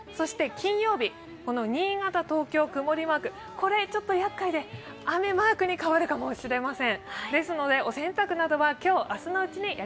金曜日、新潟、東京の曇りマーク、これちょっとやっかいで、雨マークに変わるかもしれません。